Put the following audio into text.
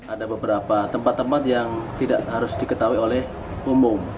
ada beberapa tempat tempat yang tidak harus diketahui oleh umum